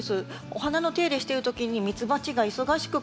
お花の手入れしてる時にミツバチが忙しく